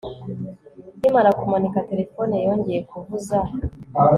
nkimara kumanika, terefone yongeye kuvuza